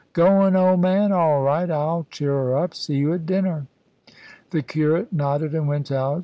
Goin', old man? All right! I'll cheer her up. See you at dinner." The curate nodded and went out.